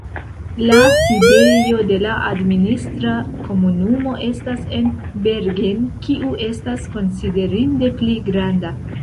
La sidejo de la administra komunumo estas en Bergen, kiu estas konsiderinde pli granda.